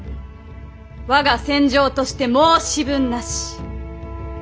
我が戦場として申し分なし。